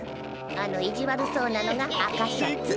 あの意地悪そうなのが赤シャツ。